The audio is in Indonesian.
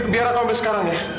biar aku ambil sekarang ya